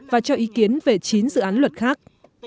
và cho ý kiến về chín dự án luật khác